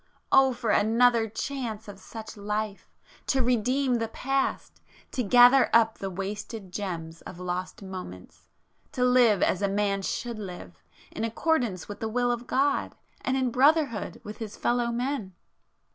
Oh for another chance of such life!—to redeem the past,—to gather up the wasted gems of lost moments,—to live as a man should live, in accordance with the will of God, and in brotherhood with his fellow men!